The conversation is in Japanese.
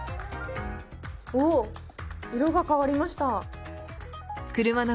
色が変わりました。